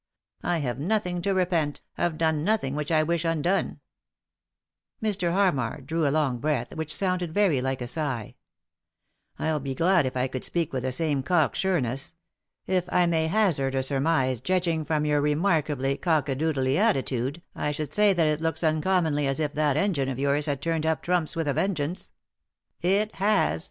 I have nothing to repent ; have done nothing which I wish undone." Mr. Harmar drew a long breath which sounded very like a sigh. " I'd be glad if I could speak with the same cock sureness. If I may hazard a surmise, judging from your remarkably cock a doodly attitude, I should say that it looks uncommonly as if that engine of yours had turned up trumps with a vengeance." "It has.